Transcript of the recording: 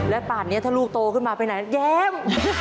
และป่านนี้ถ้าลูกโตขึ้นมาไปไหนแย้ม